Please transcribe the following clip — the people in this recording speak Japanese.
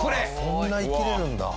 そんな生きれるんだ。